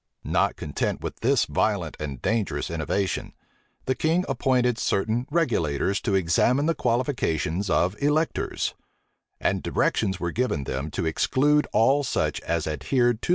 Not content with this violent and dangerous innovation, the king appointed certain regulators to examine the qualifications of electors; and directions were given them to exclude all such as adhered to the test and penal statutes.